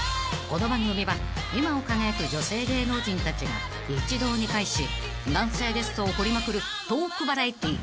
［この番組は今を輝く女性芸能人たちが一堂に会し男性ゲストを掘りまくるトークバラエティー］